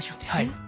はい。